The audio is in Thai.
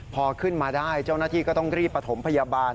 พอขึ้นมาได้เจ้าหน้าที่ก็ต้องรีบประถมพยาบาล